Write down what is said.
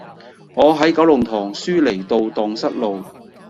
我喺九龍塘舒梨道盪失路